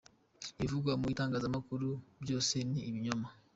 Ibivugwa mu itangazamakuru byose ni ibinyoma.”